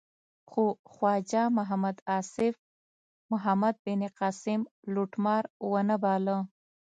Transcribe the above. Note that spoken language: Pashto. خو خواجه محمد آصف محمد بن قاسم لوټمار و نه باله.